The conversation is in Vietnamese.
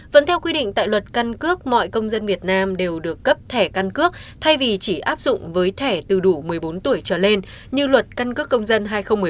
vẫn theo quy định tại luật căn cước mọi công dân việt nam đều được cấp thẻ căn cước thay vì chỉ áp dụng với thẻ từ đủ một mươi bốn tuổi trở lên như luật căn cước công dân hai nghìn một mươi bốn